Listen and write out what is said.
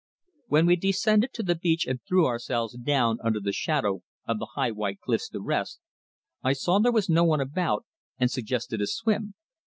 When we descended to the beach and threw ourselves down under the shadow of the high white cliffs to rest, I saw there was no one about and suggested a swim.